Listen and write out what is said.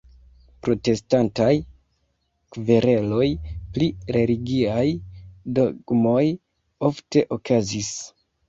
Protestantaj kvereloj pri religiaj dogmoj ofte okazis.